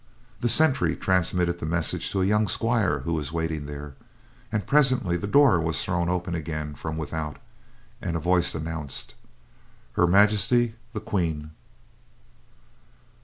The sentry transmitted the message to a young squire who was waiting there, and presently the door was thrown open again from without, and a voice announced: "Her Majesty, the Queen!"